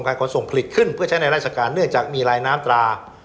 ขนส่งผลิตขึ้นเพื่อใช้ในราชการเนื่องจากมีลายน้ำตรา